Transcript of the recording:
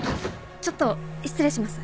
ちょっと失礼します。